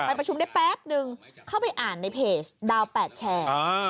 ประชุมได้แป๊บนึงเข้าไปอ่านในเพจดาว๘แชร์